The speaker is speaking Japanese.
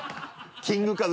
「キングカズ」